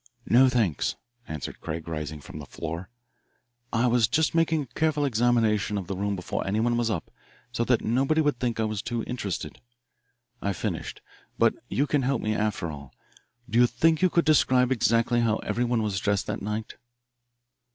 "No, thanks," answered Craig, rising from the floor. "I was just making a careful examination of the room before anyone was up so that nobody would think I was too interested. I've finished. But you can help me, after all. Do you think you could describe exactly how everyone was dressed that night?"